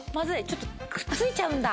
ちょっとくっついちゃうんだ。